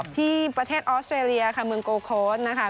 ที่ประเทศออสเซเรียค่ะ